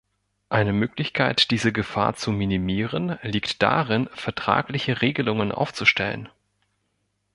Eine Möglichkeit diese Gefahr zu minimieren, liegt darin vertragliche Regelungen aufzustellen.